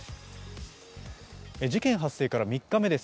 事件発生から３日目です。